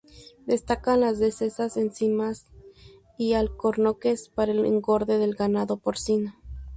Destacan las dehesas de encinas y alcornoques para el engorde del ganado porcino.